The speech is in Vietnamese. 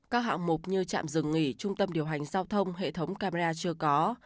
các hạng mục như trạm dừng nghỉ trung tâm điều hành giao thông hệ thống camera chưa có